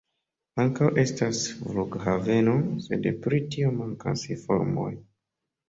Ankaŭ estas flughaveno, sed pri tio mankas informoj.